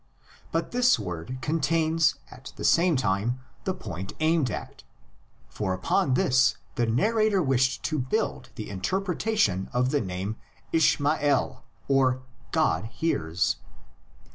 But this word contains at the same time the point aimed at, for upon this the narrator wished to build the interpretation of the name Ishmael ("God hears").